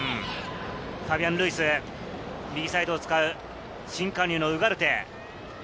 ファビアン・ルイス、右サイドを使う、新加入のウガルテ。